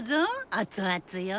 熱々よ。